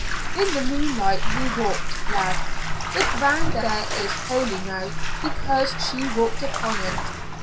"In the moonlight we walked lad the ground there is holy now, because she walked upon it.